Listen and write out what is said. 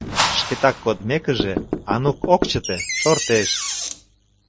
Шкетак кодмекыже, Анук ок чыте — шортеш.